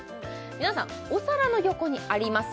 皆さんお皿の横にあります